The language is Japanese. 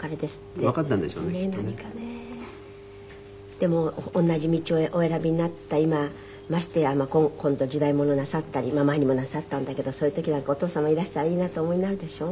でも同じ道をお選びになった今ましてや今度は時代物なさったり前にもなさったんだけどそういう時なんかお父様いらしたらいいなとお思いになるでしょう？